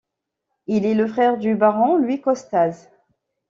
Il est le frère du baron Louis Costaz.